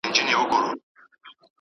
حرص او غرور `